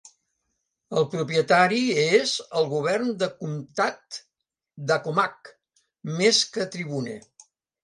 El propietari és el govern del comtat d'Accomack, més que Tribune.